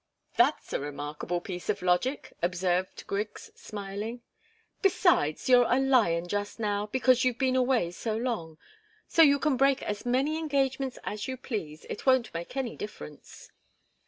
"That's a remarkable piece of logic," observed Griggs, smiling. "Besides, you're a lion just now, because you've been away so long. So you can break as many engagements as you please it won't make any difference."